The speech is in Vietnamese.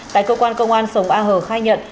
tại cơ quan công an sống a hờ khai nhận